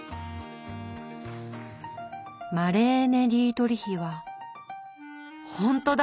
マレーネ・ディートリヒはほんとだ！